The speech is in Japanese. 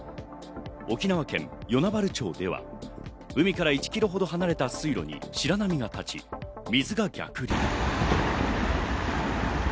沖縄県与那原町では海から１キロ離れた水路に白波が立ち、水が逆流。